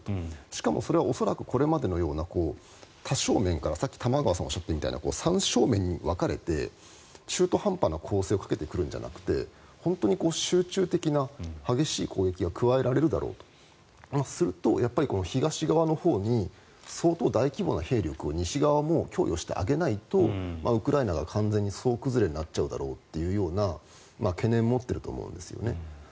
しかも恐らく、これまでのような多正面のようなさっき玉川さんがおっしゃったような三正面に分かれて中途半端な攻勢をかけてくるんじゃなくて本当に集中的な激しい攻撃が加えられるだろうとするとやっぱり東側のほうに相当大規模な兵力を西側も供与してあげないとウクライナが完全に総崩れになっちゃうというような懸念を持ってると思うんですよね。